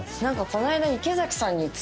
この間。